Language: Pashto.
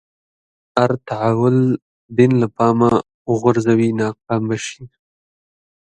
هر تحول دین له پامه وغورځوي ناکام به شي.